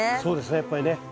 そうですねやっぱりね。